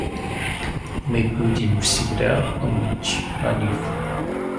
Мы будем всегда помнить о них.